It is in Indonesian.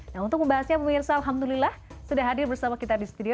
nah untuk membahasnya pemirsa alhamdulillah sudah hadir bersama kita di studio